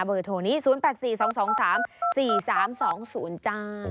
เบอร์โทรนี้๐๘๔๒๒๓๔๓๒๐จ้า